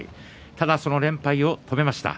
ただ、その連敗を止めました。